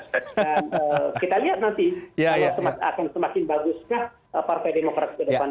dan kita lihat nanti kalau akan semakin baguskah partai demokrasi ke depan